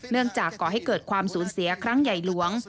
จากก่อให้เกิดความสูญเสียครั้งใหญ่หลวง